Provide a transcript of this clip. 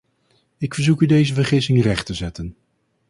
Ik verzoek u deze vergissing recht te zetten.